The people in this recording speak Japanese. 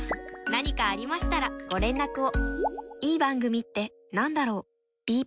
何かありましたらご連絡を。